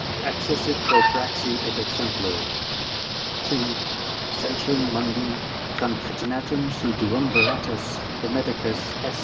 Accessit pro praxi et exemplo ; II. Centrum mundi concatenatum seu Duumviratus hermeticus s.